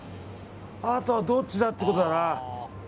あとはどっちだってことだな。